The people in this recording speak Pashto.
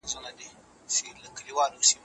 که ضرب وي نو حاصل نه کمیږي.